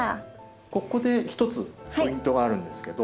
ここで一つポイントがあるんですけど。